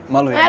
malu ya gue